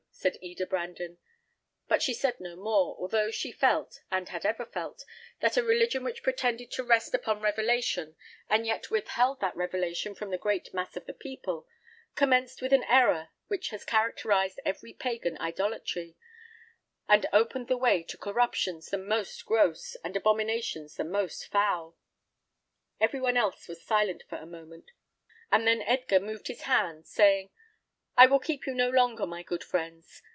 said Eda Brandon; but she said no more, although she felt, and had ever felt, that a religion which pretended to rest upon revelation, and yet withheld that revelation from the great mass of the people, commenced with an error which has characterised every pagan idolatry, and opened the way to corruptions the most gross, and abominations the most foul. Every one else was silent for a moment, and then Edgar moved his hand, saying, "I will keep you no longer, my good friends.